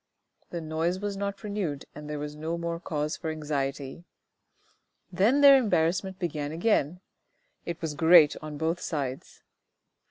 The noise was not renewed and there was no more cause for anxiety. Then their embarrassment began again; it was great on both sides.